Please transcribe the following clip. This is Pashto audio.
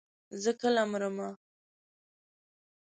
زه کله مرمه.